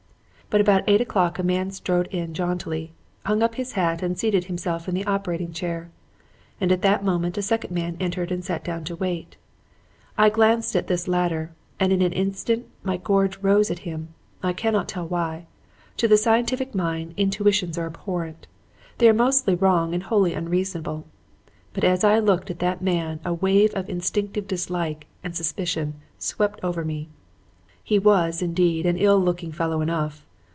But about eight o'clock a man strode in jauntily, hung up his hat and seated himself in the operating chair; and at that moment a second man entered and sat down to wait. I glanced at this latter, and in an instant my gorge rose at him. I cannot tell why. To the scientific mind, intuitions are abhorrent. They are mostly wrong and wholly unreasonable. But as I looked at that man a wave of instinctive dislike and suspicion swept over me. He was, indeed, an ill looking fellow enough.